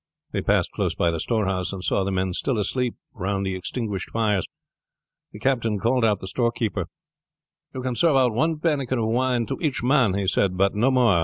They passed close by the storehouse, and saw the men still asleep round the extinguished fires. The captain called out the storekeeper: "You can serve out one pannikin of wine to each man," he said, "but no more.